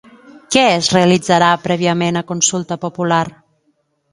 Què es realitzarà prèviament a consulta popular?